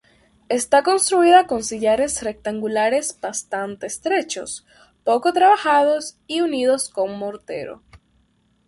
Está construida con sillares rectangulares bastante estrechos, poco trabajados y unidos con mortero.